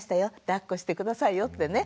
だっこして下さいよってね。